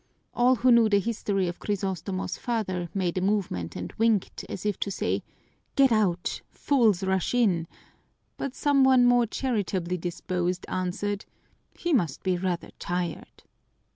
All who knew the history of Crisostomo's father made a movement and winked, as if to say, "Get out! Fools rush in " But some one more charitably disposed answered, "He must be rather tired."